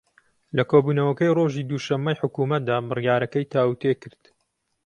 لە کۆبوونەوەکەی ڕۆژی دووشەممەی حکوومەتدا بڕیارەکەی تاووتوێ کرد